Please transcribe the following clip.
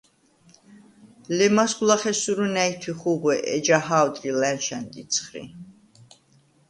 ლემასგვ ლახე სურუ ნა̈ჲთვი ხუღვე, ეჯა ჰა̄ვდრი ლა̈ნშა̈ნდ იცხრი.